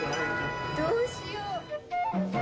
どうしよう。